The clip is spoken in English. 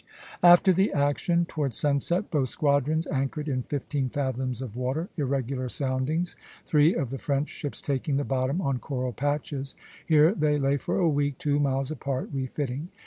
After the action, towards sunset, both squadrons anchored in fifteen fathoms of water, irregular soundings, three of the French ships taking the bottom on coral patches. Here they lay for a week two miles apart, refitting.